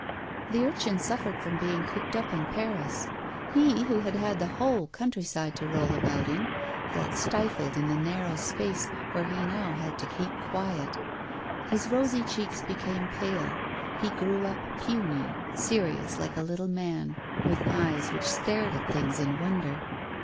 The urchin suffered from being cooped up in Paris. He, who had had the whole country side to roll about in, felt stifled in the narrow space where he now had to keep quiet. His rosy cheeks became pale, he grew up puny, serious, like a little man, with eyes which stared at things in wonder.